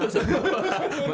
ada tim semua